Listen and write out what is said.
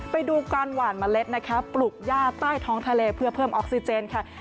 ไปดูการหวานเมล็ดนะคะปลุกย่าใต้ท้องทะเลเพื่อเพิ่มออกซิเจนค่ะ